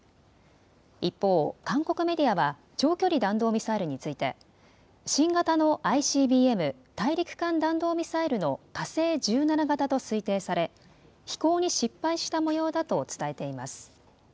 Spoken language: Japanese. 一方、韓国メディアは長距離弾道ミサイルについて新型のＩＣＢＭ・大陸間弾道ミサイルの火星１７型と推定され飛行に失敗したもようだと伝えています。